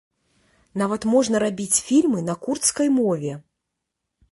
Нават можна рабіць фільмы на курдскай мове.